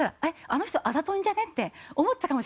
あの人あざといんじゃね？って思ったかもしれません。